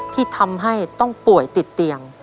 ที่ทำให้ต้องป่วยติดเตียง